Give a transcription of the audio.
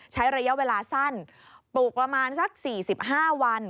ใช้ระยะเวลาสั้นปลูกประมาณสัก๔๕วัน